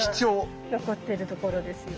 残っているところです。